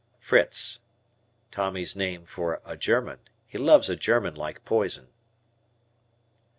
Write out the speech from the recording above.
"Fritz." Tommy's name for a German. He loves a German like poison.